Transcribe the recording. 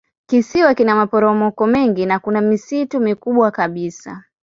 Kisiwa kina maporomoko mengi na kuna misitu mikubwa kabisa.